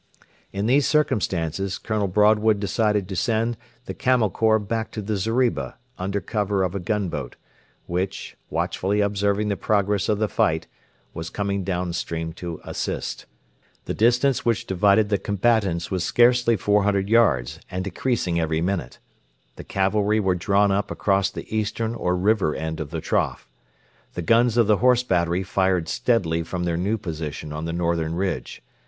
In these circumstances Colonel Broadwood decided to send the Camel Corps back to the zeriba under cover of a gunboat, which, watchfully observing the progress of the fight, was coming down stream to assist. The distance which divided the combatants was scarcely 400 yards and decreasing every minute. The cavalry were drawn up across the eastern or river end of the trough. The guns of the Horse battery fired steadily from their new position on the northern ridge.